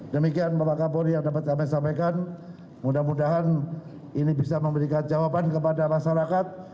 demikian bapak kapolri yang dapat kami sampaikan mudah mudahan ini bisa memberikan jawaban kepada masyarakat